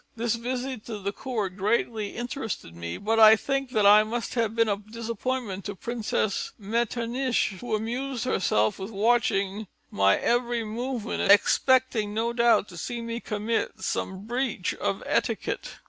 This visit to the Court greatly interested me, but I think that I must have been a disappointment to Princess Metternich who amused herself with watching my every movement, expecting no doubt to see me commit some breach of etiquette."